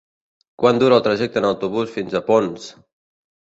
Quant dura el viatge en autobús fins a Ponts?